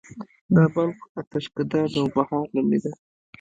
د بلخ اتشڪده نوبهار نومیده